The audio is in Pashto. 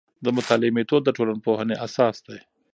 د مطالعې میتود د ټولنپوهنې اساس دی.